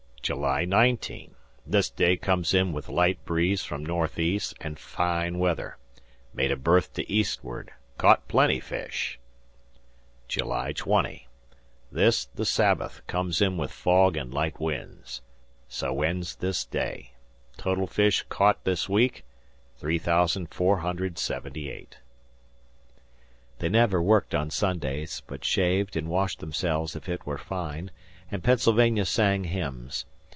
"July 19. This day comes in with light breeze from N.E. and fine weather. Made a berth to eastward. Caught plenty fish. "July 20. This, the Sabbath, comes in with fog and light winds. So ends this day. Total fish caught this week, 3,478." They never worked on Sundays, but shaved, and washed themselves if it were fine, and Pennsylvania sang hymns.